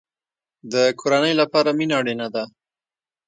د کورنۍ لپاره مینه اړین ده